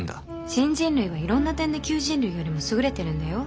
新人類はいろんな点で旧人類よりも優れてるんだよ。